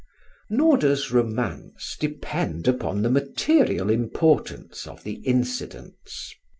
Nor does romance depend upon the material importance of the incidents.